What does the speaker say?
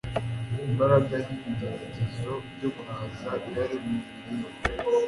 Imbaraga y’ibigeragezo byo guhaza irari mu mirire